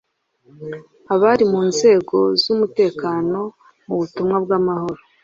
abari mu nzego z’umutekano mu butumwa bw’amahoro